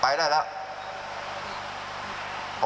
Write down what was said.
ไปได้แล้ว